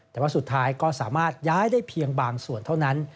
แต่ว่าสุดท้ายก็สามารถย้ายได้เพียงบางส่วนเท่านั้น